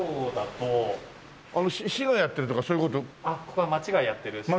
ここは町がやってる施設で。